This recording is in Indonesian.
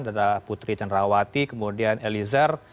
dada putri cenrawati kemudian elizer